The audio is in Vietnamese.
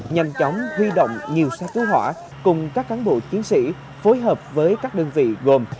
nhanh chóng huy động nhiều xe cứu hỏa cùng các cán bộ chiến sĩ phối hợp với các đơn vị gồm